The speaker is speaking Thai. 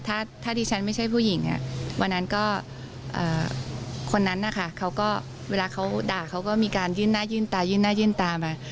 ถ้าดิฉันไม่ใช่ผู้หญิงวันนั้นก็คนนั้นนะคะเขาก็เวลาเขาด่าเขาก็มีการยื่นหน้ายื่นตายื่นหน้ายื่นตามา